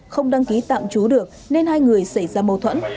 không đăng ký tạm trú được nên hai người xảy ra mâu thuẫn